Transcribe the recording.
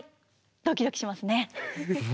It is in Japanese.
ドキドキしますね。